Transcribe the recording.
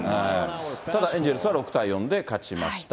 ただ、エンゼルスは６対４で勝ちました。